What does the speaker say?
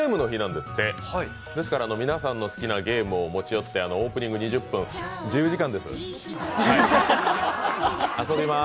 ですから皆さんの好きなゲームを持ち寄ってオープニング、ゲーム自由時間です、遊びまーす。